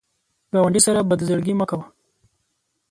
ګاونډي سره بد زړګي مه کوه